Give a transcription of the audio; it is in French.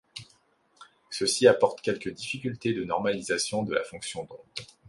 Ceci apporte quelques difficultés de normalisation de la fonction d'onde.